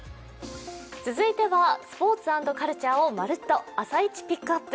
続いてはスポーツ＆カルチャーをまるっと「朝イチＰＩＣＫＵＰ！」